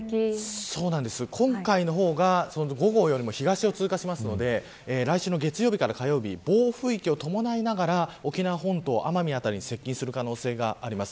今回の方が５号よりも東を通過しますので来週の月曜日から火曜日暴風域を伴いながら沖縄本島、奄美に接近する可能性があります。